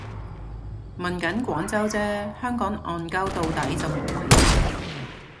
問緊廣州啫，香港戇 𨳊 到底就無謂提